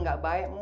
gak baik mon